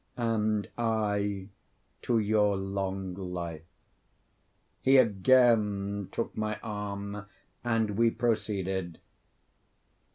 "And I to your long life." He again took my arm, and we proceeded.